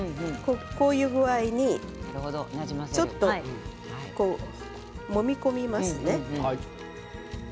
こういう具合にちょっともみ込みますね。